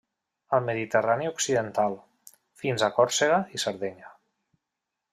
Al Mediterrani occidental, fins a Còrsega i Sardenya.